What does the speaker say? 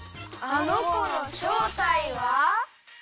あのこのしょうたいは？